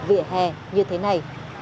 vỉa hè như thế này